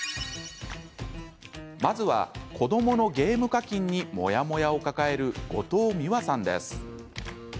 まずは子どものゲーム課金にモヤモヤを抱える後藤美和さんです。